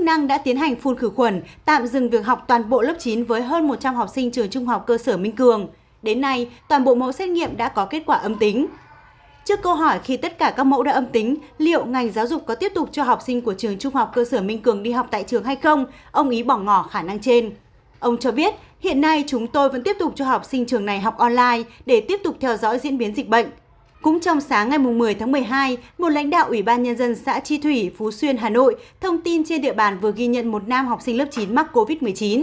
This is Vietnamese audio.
ngày một mươi một mươi hai một lãnh đạo ủy ban nhân dân xã chi thủy phú xuyên hà nội thông tin trên địa bàn vừa ghi nhận một nam học sinh lớp chín mắc covid một mươi chín